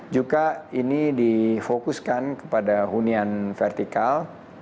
juga ini difokuskan kepada hunian vertikal